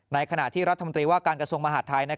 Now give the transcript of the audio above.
ในขณะที่รัฐมนตรีว่าการกระทรวงมหาดไทย